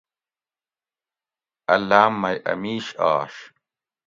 ا لاۤم مئی ا مِیش آش